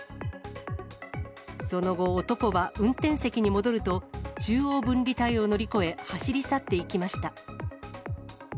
その後、男は運転席に戻ると、中央分離帯を乗り越え、走り去っていきました。